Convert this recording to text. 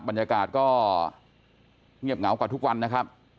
บรรยากาศก็เงียบเหงากว่าทุกวันนะครับ